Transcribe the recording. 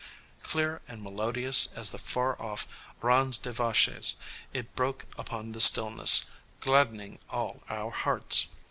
Clear and melodious as the far off "Ranz des Vaches" it broke upon the stillness, gladdening all our hearts.